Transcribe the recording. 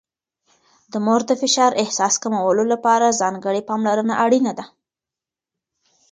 د مور د فشار احساس کمولو لپاره ځانګړې پاملرنه اړینه ده.